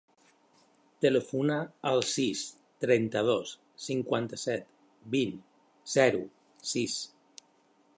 Telefona al sis, trenta-dos, cinquanta-set, vint, zero, sis.